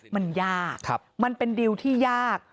มันยากมันเป็นดิวที่ยาก